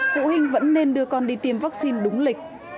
phụ huynh vẫn nên đưa con đi tiêm vaccine đúng lịch